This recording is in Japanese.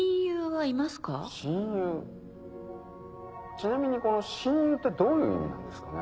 ちなみにこの親友ってどういう意味なんですかね？